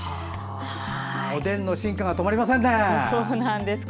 おでんの進化が止まりませんね！